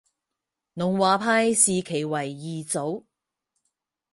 龙华派视其为二祖。